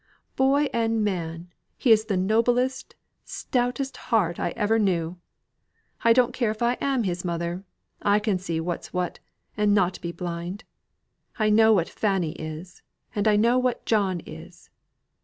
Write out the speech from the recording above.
Boy and man, he's the noblest, stoutest heart I ever knew. I don't care if I am his mother; I can see what's what, and not be blind. I know what Fanny is; and I know what John is.